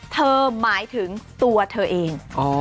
หมายถึงตัวเธอเอง